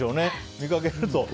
見かけると。